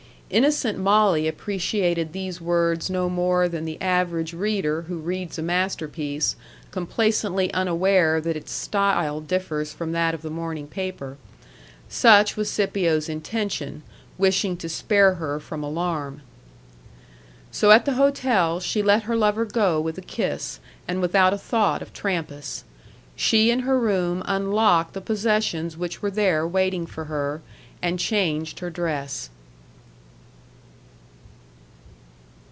Innocent Molly appreciated these words no more than the average reader who reads a masterpiece, complacently unaware that its style differs from that of the morning paper. Such was Scipio's intention, wishing to spare her from alarm. So at the hotel she let her lover go with a kiss, and without a thought of Trampas. She in her room unlocked the possessions which were there waiting for her, and changed her dress.